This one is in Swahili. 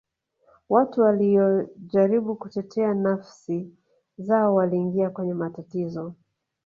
watu waliyojaribu kutetea nafsi zao waliingia kwenye matatizo